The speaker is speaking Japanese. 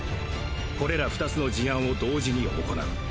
これら２つの事案を同時に行う。